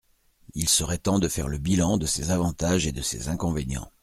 Il serait temps de faire le bilan de ses avantages et de ses inconvénients.